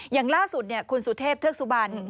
อย่างล่าสุดคุณสุเทพเทือกสุบัน